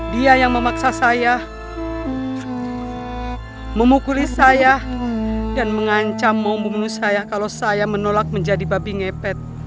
dia yang memaksa saya memukuli saya dan mengancam mau membunuh saya kalau saya menolak menjadi babi ngepet